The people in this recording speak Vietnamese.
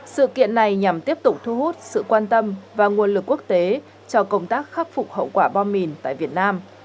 sự kiện này nhằm tiếp tục thu hút sự quan tâm và nguồn lực quốc tế cho công tác khắc phục hậu quả bom mìn tại việt nam